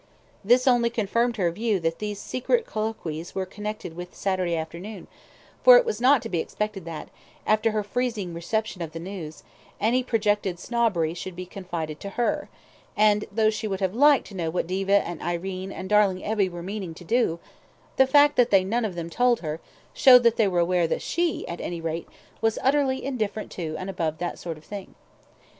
This only confirmed her view that these secret colloquies were connected with Saturday afternoon, for it was not to be expected that, after her freezing reception of the news, any projected snobbishness should be confided to her, and though she would have liked to know what Diva and Irene and darling Evie were meaning to do, the fact that they none of them told her, showed that they were aware that she, at any rate, was utterly indifferent to and above that sort of thing.